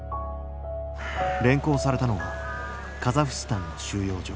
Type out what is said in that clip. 連行されたのはカザフスタンの収容所。